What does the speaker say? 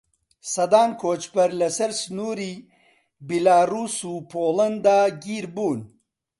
سەدان کۆچبەر لەسەر سنووری بیلاڕووس و پۆلەندا گیر بوون.